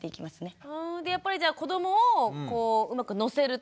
でやっぱりじゃあ子どもをこううまくのせると。